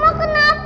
oma kenapa jawab